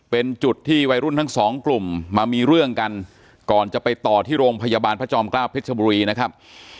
เป็นจุดที่วัยรุ่นทั้งสองกลุ่มมามีเรื่องกันก่อนจะไปต่อที่โรงพยาบาลพระจอมเกล้าเพชรบุรีนะครับ